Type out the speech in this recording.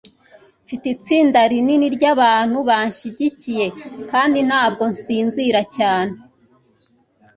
mfite itsinda rinini ryabantu banshigikiye, kandi ntabwo nsinzira cyane